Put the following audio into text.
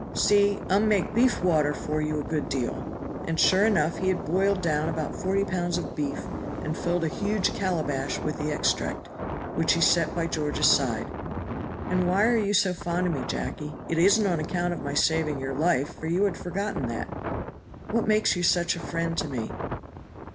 See, um make beef water for you a good deal." And sure enough he had boiled down about forty pounds of beef and filled a huge calabash with the extract, which he set by George's side. "And why are you so fond of me, Jacky? It isn't on account of my saving your life, for you had forgotten that. What makes you such a friend to me?"